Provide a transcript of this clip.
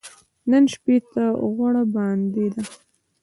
نن شپې ته غوړه باندې ده .